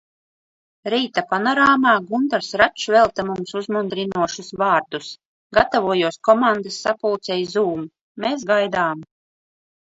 Rīta Panorāmā Guntars Račs velta mums uzmundrinošus vārdus. Gatavojos komandas sapulcei Zūm. Mēs gaidām.